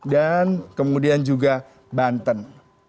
dan kemudian juga banten